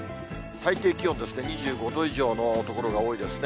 最低気温ですね、２５度以上の所が多いですね。